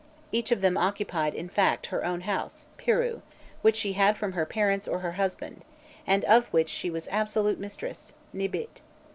Each of them occupied, in fact, her own house, pirû, which she had from her parents or her husband, and of which she was absolute mistress, nîbît.